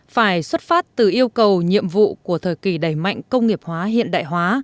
phải xuất phát từ yêu cầu nhiệm vụ của thời kỳ đẩy mạnh công nghiệp hóa hiện đại hóa